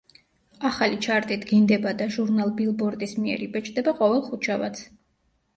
ახალი ჩარტი დგინდება და ჟურნალ „ბილბორდის“ მიერ იბეჭდება ყოველ ხუთშაბათს.